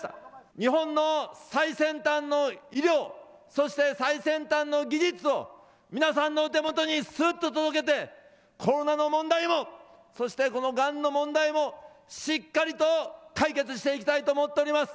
日本の最先端の医療、そして最先端の技術を皆さんのお手元にすうっと届けて、コロナの問題を、そしてこのがんの問題をしっかりと解決していきたいと思っております。